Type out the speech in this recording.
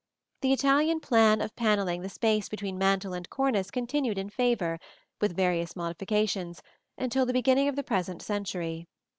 The Italian plan of panelling the space between mantel and cornice continued in favor, with various modifications, until the beginning of the present century.